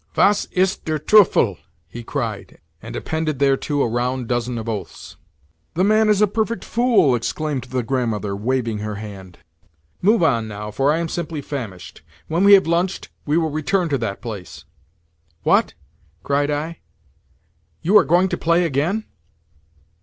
"Was ist der Teufel!" he cried, and appended thereto a round dozen of oaths. "The man is a perfect fool!" exclaimed the Grandmother, waving her hand. "Move on now, for I am simply famished. When we have lunched we will return to that place." "What?" cried I. "You are going to play _again?